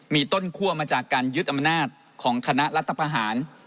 มีต้นคั่วมาจากการยึดอำนาจของคณะรัฐประหาร